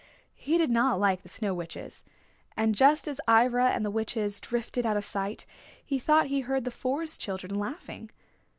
He did not like the Snow Witches. And just as Ivra and the Witches drifted out of sight, he thought he heard the Forest Children laughing.